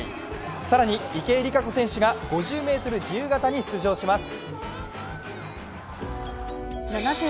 更に、池江璃花子選手が５０ｍ自由形に出場します。